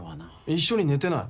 一緒に寝てない。